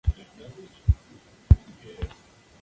Cuenta con una estación en el ferrocarril del Cáucaso Norte.